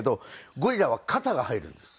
ゴリラは肩が入るんです。